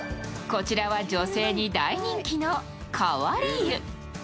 こちらは女性に大人気の替わり湯。